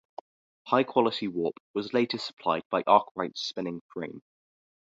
High-quality warp was later supplied by Arkwright's spinning frame.